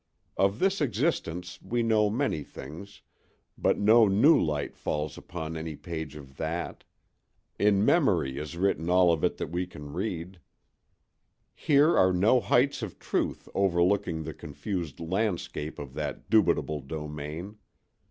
Of this existence we know many things, but no new light falls upon any page of that; in memory is written all of it that we can read. Here are no heights of truth overlooking the confused landscape of that dubitable domain.